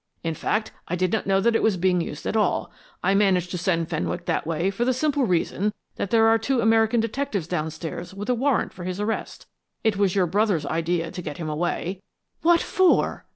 In fact, I did not know that it was being used at all. I managed to send Fenwick that way for the simple reason that there are two American detectives downstairs with a warrant for his arrest. It was your brother's idea to get him away " "What for?"